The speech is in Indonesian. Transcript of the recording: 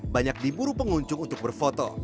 banyak diburu pengunjung untuk berfoto